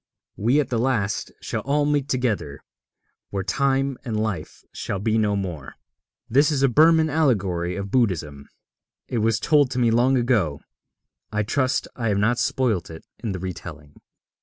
We at the last shall all meet together where Time and Life shall be no more. This is a Burman allegory of Buddhism. It was told me long ago. I trust I have not spoilt it in the retelling.